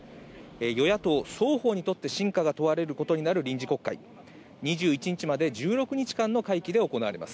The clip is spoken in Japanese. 与野党双方にとって真価が問われることになる臨時国会、２１日まで１６日間の会期で行われます。